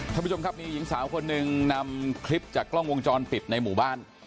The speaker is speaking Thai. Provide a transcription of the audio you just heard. ท่านผู้ชมครับมีหญิงสาวคนหนึ่งนำคลิปจากกล้องวงจรปิดในหมู่บ้าน